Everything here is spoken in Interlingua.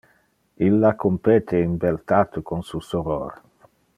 Illa compete in beltate con su soror.